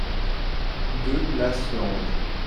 deux place Lange